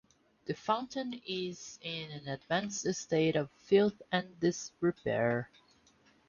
The fountain is in an advanced state of filth and disrepair.